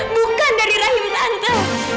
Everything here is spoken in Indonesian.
bukan dari rahim tante